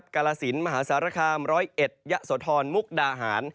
กาลสินมหาสารคาม๑๐๑ยะโสธรมุกดาหาร